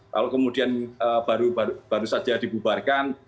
kalau kemudian baru saja dibubarkan